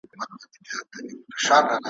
ـ اينګور مې درباندې پام کوي که نه ؟